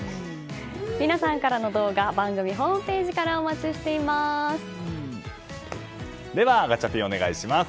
皆さんからの動画番組ホームページからではガチャピン、お願いします。